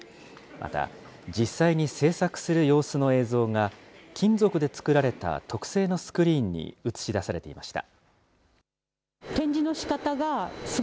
また、実際に製作する様子の映像が、金属で作られた特製のスクリーンに映し出されていました。